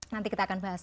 nanti kita akan bahas